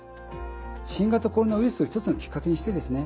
新型コロナウイルスを一つのきっかけにしてですね